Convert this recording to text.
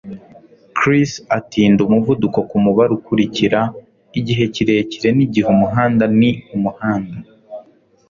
Chris atinda umuvuduko kumubare ukurikira Igihe kirekire nigihe, umuhanda ni umuhanda.